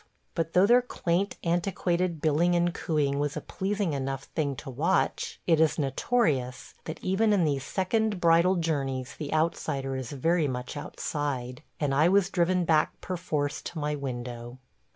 But though their quaint, antiquated billing and cooing was a pleasing enough thing to watch, it is notorious that even in these second bridal journeys the outsider is very much outside, and I was driven back perforce to my window.